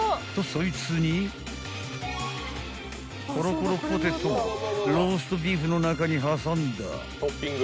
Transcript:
［コロコロポテトをローストビーフの中に挟んだ］